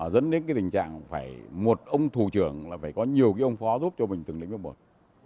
dẫn đến cái tình trạng phải một ông thủ trưởng là phải có nhiều cái ông phó giúp cho mình từng lĩnh vực một